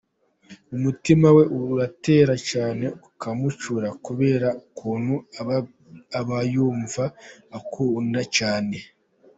Umutima we uratera cyane ukamurya kubera ukuntu abayumva agukunda cyane.